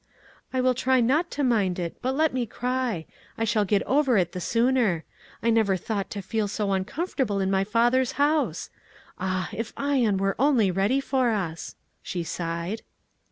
"I will try not to mind it, but let me cry; I shall get over it the sooner. I never thought to feel so uncomfortable in my father's house. Ah, if Ion were only ready for us!" she sighed.